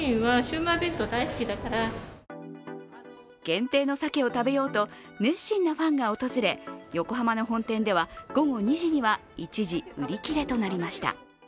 限定のさけを食べようと熱心なファンが訪れ横浜の本店では午後２時には一時売り切れとなりました。